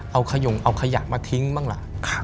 เอาขยักมาทิ้งบ้างละ